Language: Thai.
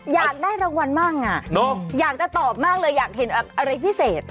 อยากได้รางวัลมั่งอยากจะตอบมากเลยอยากเห็นอะไรพิเศษ